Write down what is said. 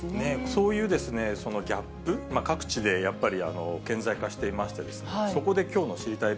そういうギャップ、各地でやっぱり顕在化していましてですね、そこできょうの知りたいッ！